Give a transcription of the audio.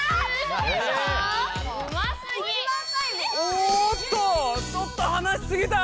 おっとちょっと話しすぎた。